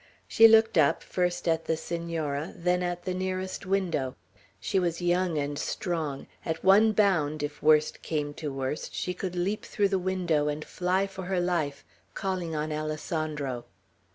She looked up, first at the Senora, then at the nearest window. She was young and strong; at one bound, if worst came to worst, she could leap through the window, and fly for her life, calling on Alessandro.